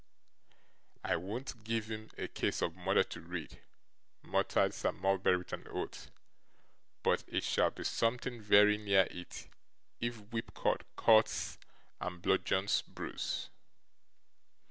'I won't give him a case of murder to read,' muttered Sir Mulberry with an oath; 'but it shall be something very near it if whipcord cuts and bludgeons bruise.